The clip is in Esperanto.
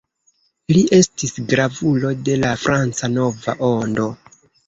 Li estis gravulo de la Franca Nova Ondo.